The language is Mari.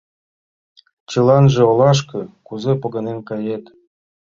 Чыланже олашке кузе погынен кает?